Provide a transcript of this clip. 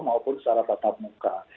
maupun secara tatap muka